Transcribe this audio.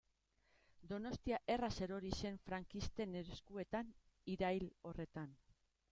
Donostia erraz erori zen frankisten eskuetan irail horretan.